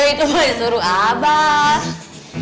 eh itu mah disuruh abah